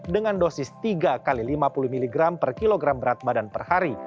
dengan dosis tiga x lima puluh mg per kilogram berat badan per hari